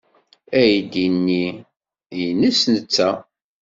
Aydi-nni nnes netta.